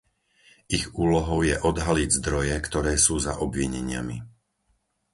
Ich úlohou je odhaliť zdroje, ktoré sú za obvineniami.